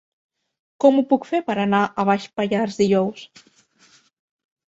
Com ho puc fer per anar a Baix Pallars dijous?